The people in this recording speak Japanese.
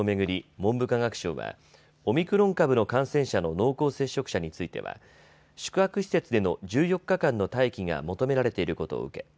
文部科学省はオミクロン株の感染者の濃厚接触者については宿泊施設での１４日間の待機が求められていることを受け